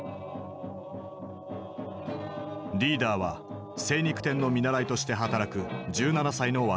リーダーは精肉店の見習いとして働く１７歳の若者